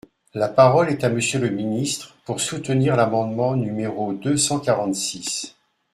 La parole est à Monsieur le ministre, pour soutenir l’amendement numéro deux cent quarante-six.